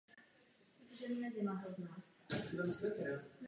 Největší kognitivní zkreslení tak může vyvolat u méně častých událostí nebo témat.